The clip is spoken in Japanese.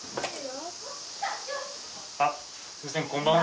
あっすみませんこんばんは。